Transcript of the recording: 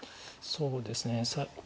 そうですね。